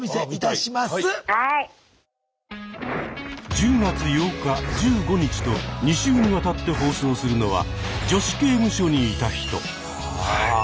１０月８日１５日と２週にわたって放送するのは「女子刑務所にいた人」。